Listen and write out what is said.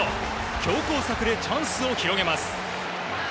強硬策でチャンスを広げます。